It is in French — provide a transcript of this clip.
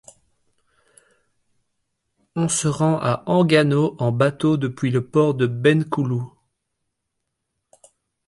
On se rend à Enggano en bateau depuis le port de Bengkulu.